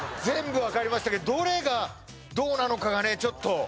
全部わかりましたけどどれがどうなのかがねちょっと。